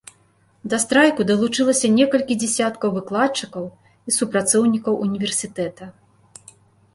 Да страйку далучылася некалькі дзясяткаў выкладчыкаў і супрацоўнікаў універсітэта.